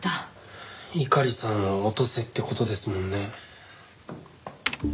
猪狩さんを落とせって事ですもんね。